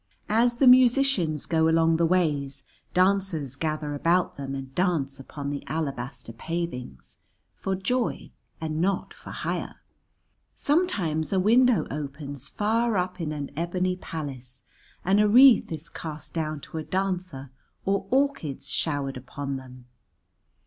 "As the musicians go along the ways dancers gather about them and dance upon the alabaster pavings, for joy and not for hire. Sometimes a window opens far up in an ebony palace and a wreath is cast down to a dancer or orchids showered upon them.